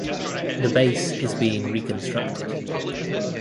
The base is being reconstructed.